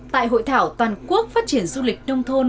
tại hội thảo toàn quốc phát triển du lịch nông thôn